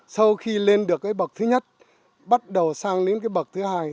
sau khi lên được cái bậc thứ nhất bắt đầu sang đến cái bậc thứ hai